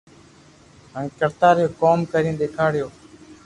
ھين ڪرتا رھيو ڪوم ڪرين ديکاريو